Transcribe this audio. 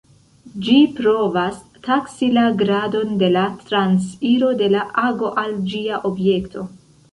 Ĝi provas taksi la gradon de la transiro de la ago al ĝia objekto.